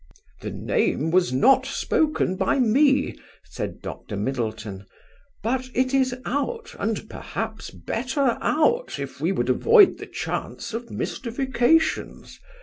"The name was not spoken by me," said Dr. Middleton. "But it is out, and perhaps better out, if we would avoid the chance of mystifications.